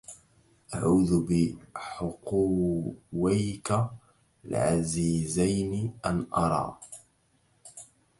أعوذ بحقويك العزيزين أن أرى